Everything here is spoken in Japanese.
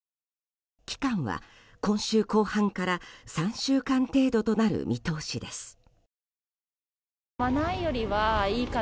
期間は今週後半から３週間程度となる見通しです。